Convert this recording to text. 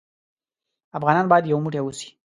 افغانان بايد يو موټى اوسې.